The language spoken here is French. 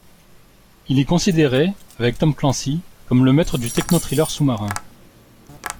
Il est considéré, avec Tom Clancy, comme le maître du techno-thriller sous-marin.